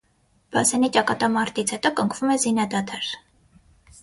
Բասենի ճակատամարտից հետո կնքվում է զինադադար։